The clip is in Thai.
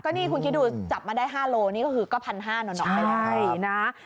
นี่คุณคิดดูจับมาได้๕โลนี่ก็คือก็๑๕๐๐หนอนไปแล้ว